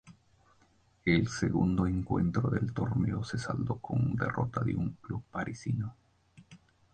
El segundo encuentro del torneo se saldó con derrota ante un club parisino.